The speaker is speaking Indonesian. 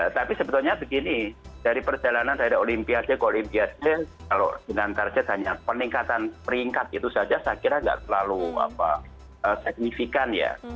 tapi sebetulnya begini dari perjalanan dari olimpiade ke olimpiade kalau dengan target hanya peningkatan peringkat itu saja saya kira nggak terlalu signifikan ya